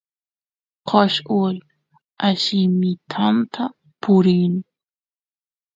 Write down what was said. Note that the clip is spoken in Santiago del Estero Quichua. coshul allimitanta purin